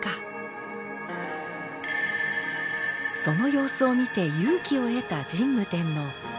その様子を見て勇気を得た神武天皇。